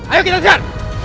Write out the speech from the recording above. ayo kita kejar